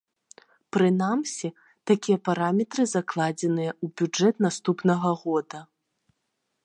Прынамсі, такія параметры закладзеныя ў бюджэт наступнага года.